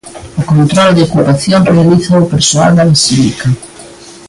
O control de ocupación realízao o persoal da basílica.